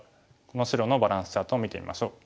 この白のバランスチャートを見てみましょう。